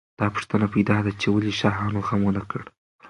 دا پوښتنه پیدا ده چې ولې شاهانو غم ونه کړ.